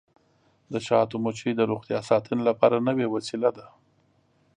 د شاتو مچۍ د روغتیا ساتنې لپاره نوې وسیله ده.